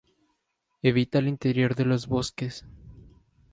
Evita el interior de los bosques.